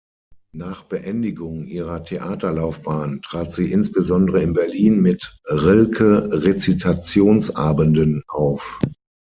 Nach Beendigung ihrer Theaterlaufbahn trat sie insbesondere in Berlin mit Rilke-Rezitationsabenden auf.